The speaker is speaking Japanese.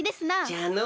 じゃの。